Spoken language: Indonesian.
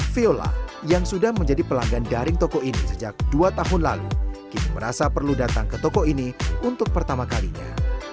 viola yang sudah menjadi pelanggan daring toko ini sejak dua tahun lalu kini merasa perlu datang ke toko ini untuk pertama kalinya